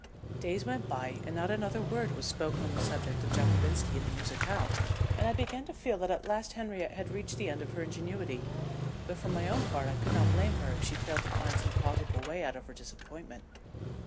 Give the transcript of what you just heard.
Days went by and not another word was spoken on the subject of Jockobinski and the musicale, and I began to feel that at last Henriette had reached the end of her ingenuity though for my own part I could not blame her if she failed to find some plausible way out of her disappointment.